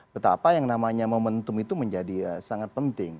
betapa yang namanya momentum itu menjadi sangat penting